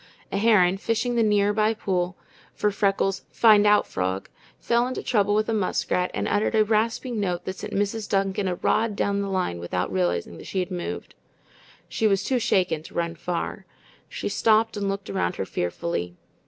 A heron, fishing the near by pool for Freckles' "find out" frog, fell into trouble with a muskrat and uttered a rasping note that sent Mrs. Duncan a rod down the line without realizing that she had moved. She was too shaken to run far. She stopped and looked around her fearfully.